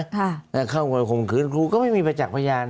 ค่ะแต่เข้าไปคงคืนครูก็ไม่มีประจักษ์พยาน